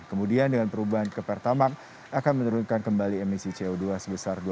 kemudian dengan perubahan ke pertamak akan menurunkan kembali emisi co dua sebesar dua puluh